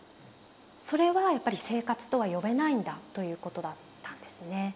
それはやっぱり生活とは呼べないんだということだったんですね。